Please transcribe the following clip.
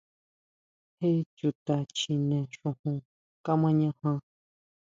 ¿Jé chuta chjine xujun kamañajan?